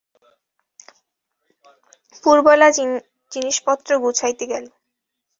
পুরবালা জিনিসপত্র গুছাইতে গেল।